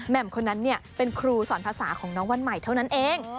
มคนนั้นเป็นครูสอนภาษาของน้องวันใหม่เท่านั้นเอง